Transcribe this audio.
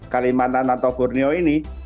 kalimantan atau borneo ini